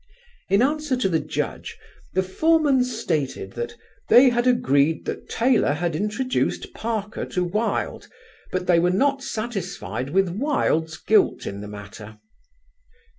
In answer to the judge the foreman stated that "they had agreed that Taylor had introduced Parker to Wilde, but they were not satisfied with Wilde's guilt in the matter."